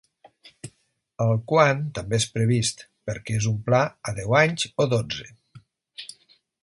El quan també és previst, perquè és un pla a deu anys o dotze.